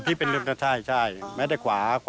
ครึ่งดื่มน้ำอารมณ์ต่างใช่แม้แต่ขวา